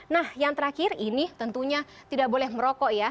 nah yang terakhir ini tentunya tidak boleh merokok ya